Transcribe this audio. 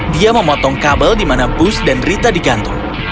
dia memotong kabel di mana bus dan rita digantung